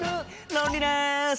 ロンリネス！